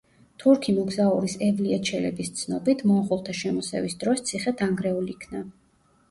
თურქი მოგზაურის ევლია ჩელების ცნობით, მონღოლთა შემოსევის დროს ციხე დანგრეულ იქნა.